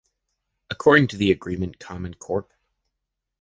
According to the agreement, Kaman Corp.